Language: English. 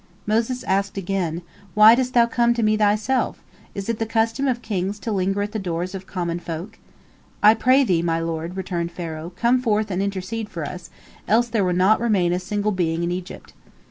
"—Moses asked again: "Why dost thou come to me thyself? Is it the custom of kings to linger at the doors of common folk?"—"I pray thee, my lord," returned Pharaoh, "come forth and intercede for us, else there will not remain a single being in Egypt."